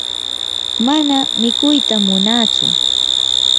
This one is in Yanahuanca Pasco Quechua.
mana mikuyta munatsu.